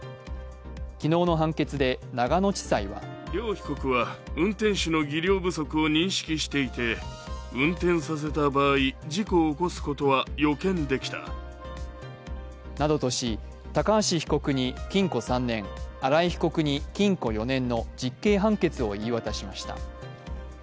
昨日の判決で長野地裁はなどとし高橋被告に禁錮３年荒井被告に禁錮４年の実刑判決を言い渡しました。